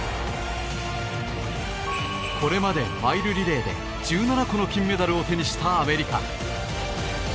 これまでマイルリレーで１７個の金メダルを手にしたアメリカ。